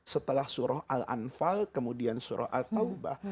setelah surah al anfal kemudian surah al taubah